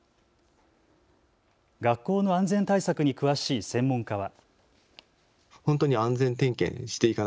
学校の安全対策に詳しい専門家は。